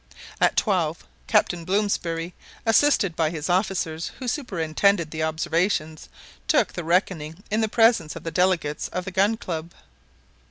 At twelve, Captain Blomsberry, assisted by his officers who superintended the observations, took the reckoning in the presence of the delegates of the Gun Club.